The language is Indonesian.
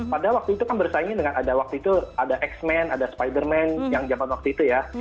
padahal waktu itu kan bersaing dengan ada x men ada spider man yang zaman waktu itu ya